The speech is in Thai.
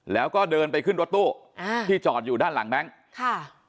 แล้วก็เดินไปขึ้นรถตู้อ่าที่จอดอยู่ด้านหลังแบงค์ค่ะ